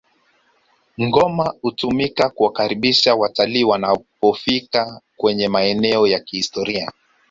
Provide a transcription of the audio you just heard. ngoma hutumika kuwakaribisha watalii wanapofika kwenye maeneo ya kihistoria